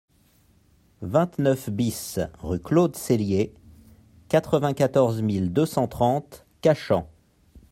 vingt-neuf BIS rue Claude Cellier, quatre-vingt-quatorze mille deux cent trente Cachan